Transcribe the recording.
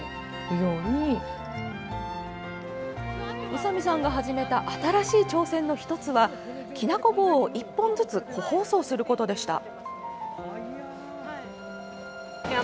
宇佐見さんが始めた新しい挑戦の１つはきなこ棒を１本ずつ個包装することでした。